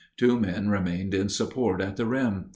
Two men remained in support at the rim.